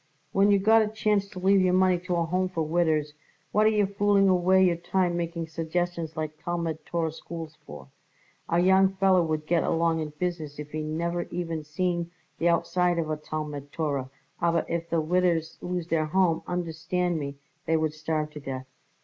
"When you got a chance to leave your money to a Home for widders, what are you fooling away your time making suggestions like Talmud Torah schools for? A young feller would get along in business if he never even seen the outside of a Talmud Torah, aber if the widders lose their Home, understand me, they would starve to death."